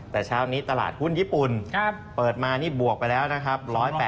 แต่เช้านี้ตลาดหุ้นญี่ปุ่นเปิดมานี่บวกไปแล้วนะครับ